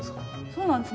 そうなんです。